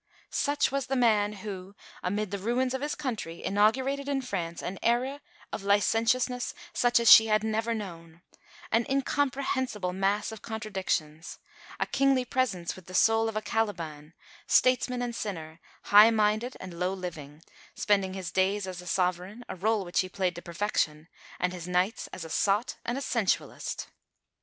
Such was the man who, amid the ruins of his country, inaugurated in France an era of licentiousness such as she had never known an incomprehensible mass of contradictions a kingly presence with the soul of a Caliban, statesman and sinner, high minded and low living, spending his days as a sovereign, a rôle which he played to perfection, and his nights as a sot and a sensualist.